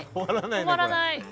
止まらない。